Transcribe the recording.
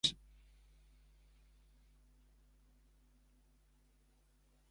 მეტამორფიზმი მიმდინარეობს ქანების მყარ ან პლასტიკურ მდგომარეობაში ყოფნის დროს.